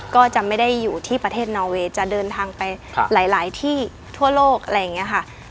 ก็จะไม่ได้อยู่ที่ประเทศนอเวย์จะเดินทางไปหลายที่ทั่วโลกอะไรอย่างนี้ค่ะ